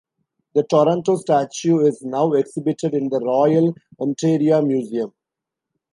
The Toronto statue is now exhibited in the Royal Ontario Museum.